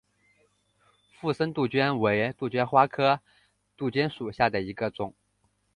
附生杜鹃为杜鹃花科杜鹃属下的一个种。